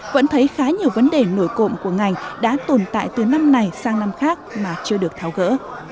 vẫn thấy khá nhiều vấn đề nổi cộng của ngành đã tồn tại từ năm này sang năm khác mà chưa được tháo gỡ